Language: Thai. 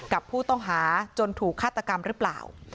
กับผู้ต้องหาจนถูกฆาตกรรมหรือเปล่า